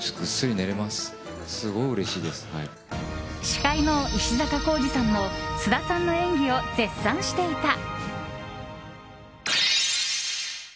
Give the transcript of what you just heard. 司会の石坂浩二さんも菅田さんの演技を絶賛していた。